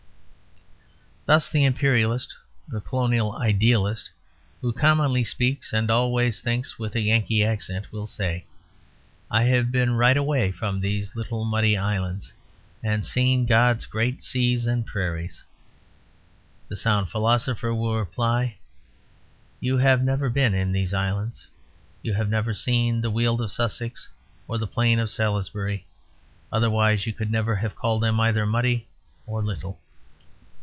Thus the Imperialist, the Colonial idealist (who commonly speaks and always thinks with a Yankee accent) will say, "I've been right away from these little muddy islands, and seen God's great seas and prairies." The sound philosopher will reply, "You have never been in these islands; you have never seen the weald of Sussex or the plain of Salisbury; otherwise you could never have called them either muddy or little."